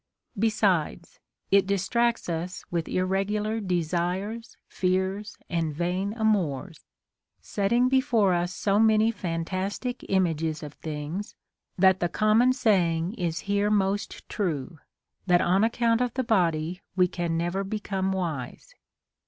Besides, it distracts us Λvith irregular desires, fears, and vain amours, setting before us so many fantastic images of things, that the com mon saying is here most true, that on account of the body we can never become wise.